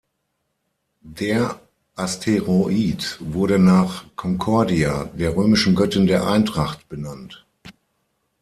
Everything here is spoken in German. Der Asteroid wurde nach Concordia, der römischen Göttin der Eintracht, benannt.